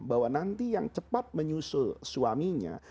bahwa nanti yang cepat menyusul suaminya